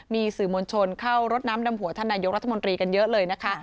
มีสื่อมวลชนเข้ารดน้ำดำหัวท่านนายกรัฐมนตรีกันเยอะเลยนะคะ